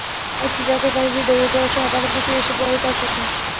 একটি ট্রাকের পাশ দিয়ে দৌড়ে যাওয়ার সময় পাথরকুচি এসে পড়ে তাঁর চোখে।